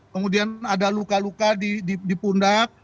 kemudian ada luka luka di pundak